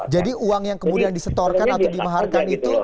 jadi uang yang kemudian disetorkan atau dimaharkan itu